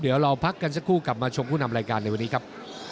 เดี๋ยวเราพักกันสักครู่กลับมาชมผู้นำรายการในวันนี้ครับ